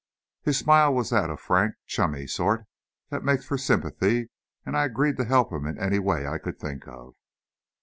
His smile was of that frank, chummy sort that makes for sympathy and I agreed to help him in any way I could think of.